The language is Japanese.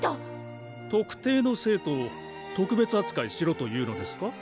特定の生徒を特別扱いしろというのですか？